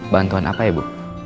bantuan apa ya bu